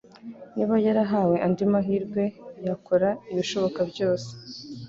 Niba yarahawe andi mahirwe, yakora ibishoboka byose.